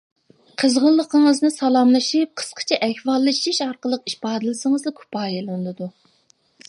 قىزغىنلىقىڭىزنى سالاملىشىپ قىسقىچە ئەھۋاللىشىش ئارقىلىق ئىپادىلىسىڭىزلا كۇپايىلىنىدۇ.